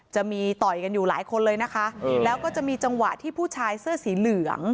จะมีต่อยกันอยู่หลายคนเลยนะคะแล้วก็จะมีจังหวะที่ผู้ชายเสื้อสีเหลือง